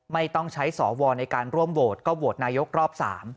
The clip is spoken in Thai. ไม่ต้องใช้สวในการร่วมโหวตก็โหวตนายกรอบ๓